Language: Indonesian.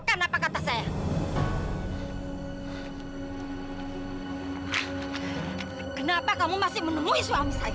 kenapa kamu masih menemui suami saya